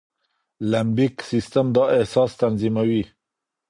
لمبیک سيستم دا احساس تنظيموي.